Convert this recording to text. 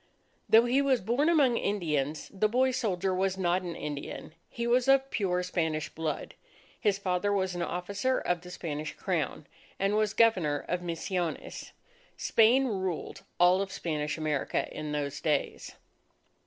Though he was born among Indians, the boy soldier was not an Indian. He was of pure Spanish blood. His father was an officer of the Spanish Crown, and was Governor of Misiones. Spain ruled all Spanish America in those days.